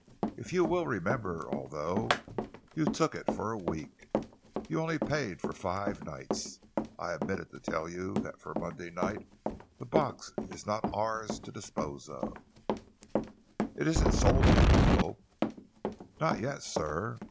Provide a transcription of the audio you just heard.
If you will remember, although you took it for a week, you only paid for five nights. I omitted to tell you that for Monday night the box is not ours to dispose of." "It isn't yet sold, I hope?" "Not yet, sir.